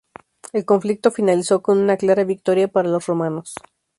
El conflicto finalizó con una clara victoria para los romanos.